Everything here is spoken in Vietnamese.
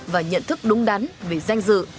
và nhận thức đúng đắn về danh dự